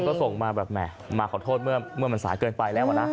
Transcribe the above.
ผู้ชมก็ส่งมาแบบมาขอโทษเมื่อมันสายเกินไปแล้วนะ